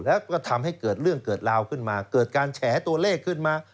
แล้วก็ทำให้เกิดเรื่องเกิดราวขึ้นมาเกิดการแฉตัวเลขขึ้นมา